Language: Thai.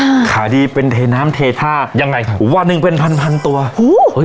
อ่าขายดีเป็นเทน้ำเทท่ายังไงครับวันหนึ่งเป็นพันพันตัวโอ้เฮ้ย